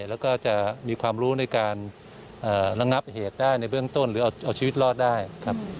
แล้วก็จะมีความรู้ในการระงับเหตุได้ในเบื้องต้นหรือเอาชีวิตรอดได้ครับ